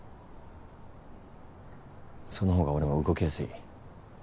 そのほうが俺も動きやすい。